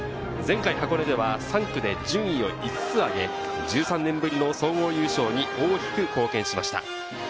前回箱根では３区で順位を５つ上げ、１３年ぶりの総合優勝に大きく貢献しました。